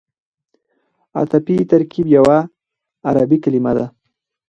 عطفي ترکیب یوه عربي کلیمه ده.